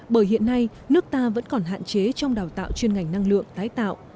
bởi hiện nay nước ta vẫn còn hạn chế trong đào tạo chuyên ngành năng lượng tái tạo